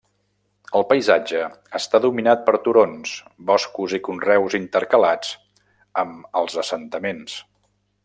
El paisatge està dominat per turons, boscos i conreus intercalats amb els assentaments.